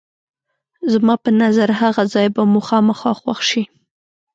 زما په نظر هغه ځای به مو خامخا خوښ شي.